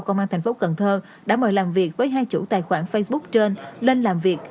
công an thành phố cần thơ đã mời làm việc với hai chủ tài khoản facebook trên lên làm việc